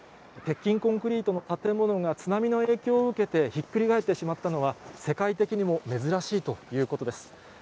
鉄筋コンクリートの建物が津波の影響を受けて、ひっくり返ってしまったのは、世界的にも珍しいということです。